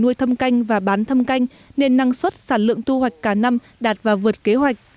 nuôi thâm canh và bán thâm canh nên năng suất sản lượng thu hoạch cả năm đạt và vượt kế hoạch